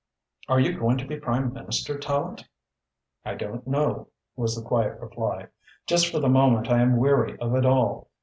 Are you going to be Prime Minister, Tallente?" "I don't know," was the quiet reply. "Just for the moment I am weary of it all.